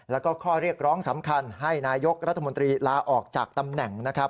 แล้วก็ข้อเรียกร้องสำคัญให้นายกรัฐมนตรีลาออกจากตำแหน่งนะครับ